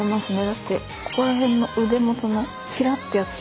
だってここらへんの腕元のひらってやつ。